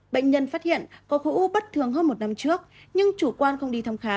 bệnh nhân phát hiện có khối u bất thường hơn một năm trước nhưng chủ quan không đi thăm khám